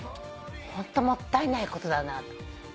ホントもったいないことだなと。